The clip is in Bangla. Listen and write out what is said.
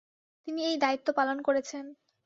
তিনি এই দায়িত্বপালন করেছেন।